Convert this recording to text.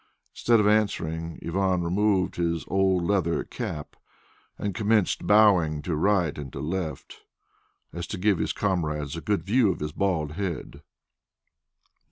Instead of answering, Ivan removed his old leather cap and commenced bowing to right and to left as if to give his comrades a good view of his bald head.